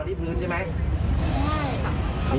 ก็มีคนมามัดเชือกไปตรงหล่าง